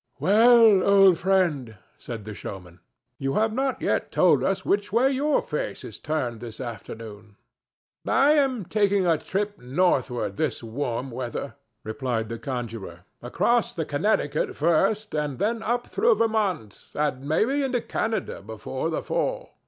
"Well, old friend," said the showman, "you have not yet told us which way your face is turned this afternoon." "I am taking a trip northward this warm weather," replied the conjurer, "across the Connecticut first, and then up through Vermont, and maybe into Canada before the fall.